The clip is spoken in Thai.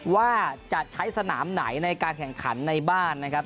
ว่าจะใช้สนามไหนในการแข่งขันในบ้านนะครับ